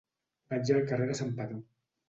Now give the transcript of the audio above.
Vaig al carrer de Santpedor.